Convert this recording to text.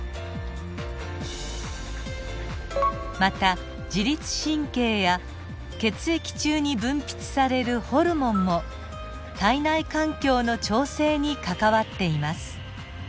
また自律神経や血液中に分泌されるホルモンも体内環境の調整に関わっています。